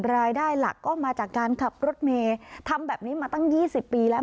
รายได้หลักก็มาจากการขับรถเมย์ทำแบบนี้มาตั้ง๒๐ปีแล้ว